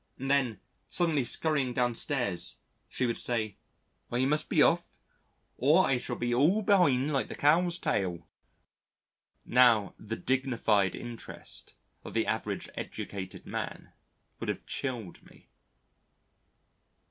Then, suddenly scurrying downstairs, she would say, "I must be off or I shall be all be'ind like the cow's tail." Now the dignified interest of the average educated man would have chilled me.